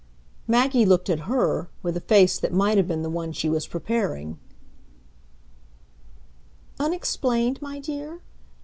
Maggie looked at HER with a face that might have been the one she was preparing. "'Unexplained,' my dear?